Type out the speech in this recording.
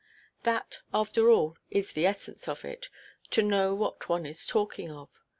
That, after all, is the essence of it—to know what one is talking of.